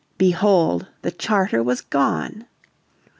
Behold, the charter was gone!